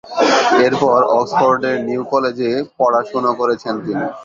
এরপর অক্সফোর্ডের নিউ কলেজে পড়াশুনো করেছেন তিনি।